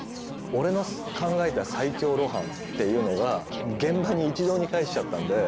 「俺の考えた最強露伴」っていうのが現場に一堂に会しちゃったんで。